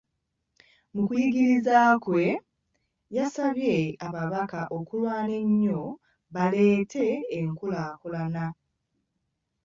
Mu kuyigiriza kwe, yasabye ababaka okulwana ennyo baleete enkulaakulana.